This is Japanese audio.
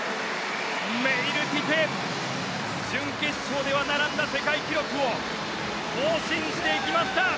メイルティテ準決勝では並んだ世界記録を更新していきました。